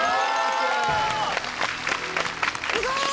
すごい！